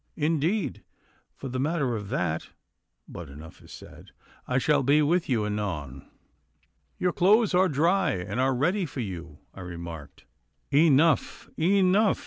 Indeed, for the matter of that but enough is said. I shall be with you anon.' 'Your clothes are dry and are ready for you,' I remarked. 'Enough! enough!